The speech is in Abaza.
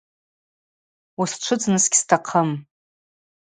Усчвыдзныс гьстахъым!